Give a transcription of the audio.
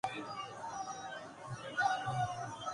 D P O Pakpattan والے واقعے کو۔